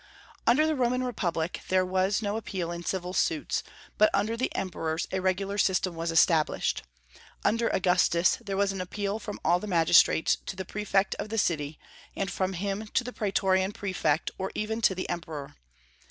Under the Roman republic there was no appeal in civil suits, but under the emperors a regular system was established. Under Augustus there was an appeal from all the magistrates to the prefect of the city, and from him to the praetorian prefect or even to the Emperor.